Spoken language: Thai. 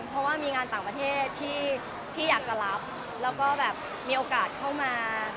เพราะว่ามีงานต่างประเทศที่อยากจะรับแล้วก็แบบมีโอกาสเข้ามา